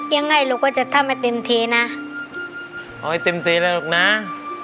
ยังไงลูกก็จะทำให้เต็มทีนะโอ้ยเต็มทีเลยลูกน้าค่ะ